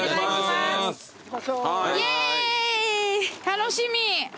楽しみ。